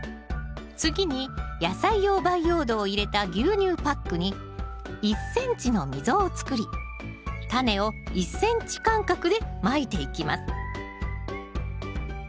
次に野菜用培養土を入れた牛乳パックに１ｃｍの溝を作りタネを１ｃｍ間隔でまいていきます。